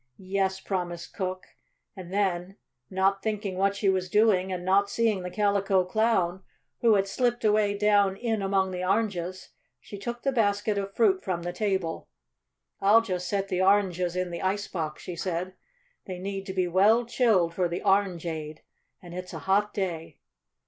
"Yes," promised Cook, and then, not thinking what she was doing and not seeing the Calico Clown, who had slipped away down in among the oranges, she took the basket of fruit from the table. "I'll just set the oranges in the ice box," she said. "They need to be well chilled for the orangeade, and it's a hot day."